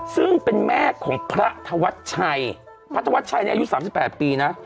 ซึ่งเป็นแม่ของพระธวัชชัยพระธวัชชัยในอายุ๓๘ปีนะ